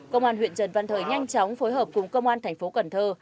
công an huyện trần văn thời nhanh chóng phối hợp cùng công an thành phố cần thơ